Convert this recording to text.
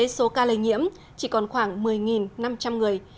số ca lây nhiễm chỉ còn khoảng một mươi năm trăm linh người